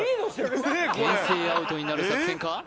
けん制アウトになる作戦か？